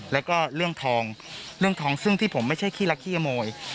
แล้วก็เรื่องทองเรื่องทองซึ่งที่ผมไม่ใช่ขี้ละขี้อโมย